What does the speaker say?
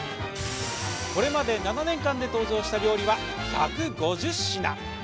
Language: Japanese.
これまで７年間で登場した料理は１５０品！